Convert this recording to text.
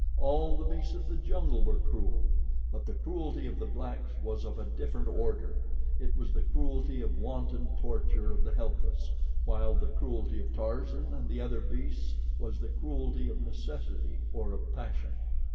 All the beasts of the jungle were cruel; but the cruelty of the blacks was of a different order. It was the cruelty of wanton torture of the helpless, while the cruelty of Tarzan and the other beasts was the cruelty of necessity or of passion.